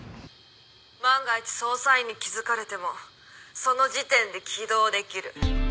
万が一捜査員に気付かれてもその時点で起動できる。